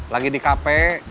lagi di kp